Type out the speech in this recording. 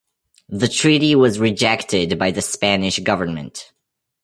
The treaty was rejected by the Spanish government.